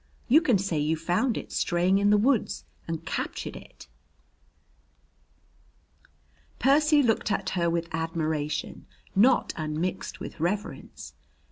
You can say you found it straying in the woods and captured it." Percy looked at her with admiration not unmixed with reverence.